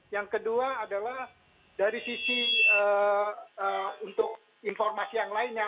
yang kedua adalah dari sisi untuk informasi yang lainnya